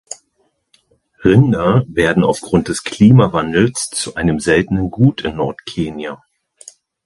Rinder werden aufgrund des Klimawandels zu einem seltenen Gut in Nordkenia.